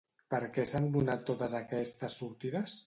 Per què s'han donat totes aquestes sortides?